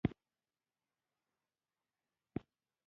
د کچالو د فصل اوبه خور څنګه دی؟